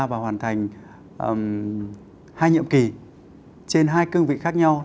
và hoàn thành hai nhiệm kỳ trên hai cương vị khác nhau